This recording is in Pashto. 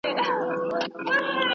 ډاکټران د ناروغانو ژوند ژغوري.